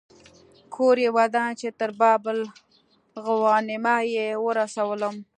کور یې ودان چې تر باب الغوانمه یې ورسولم.